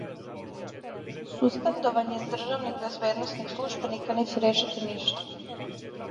Суспендовање државних безбедносних службеника неће решити ништа.